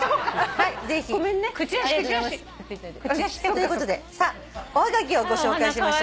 ということでおはがきをご紹介しましょう。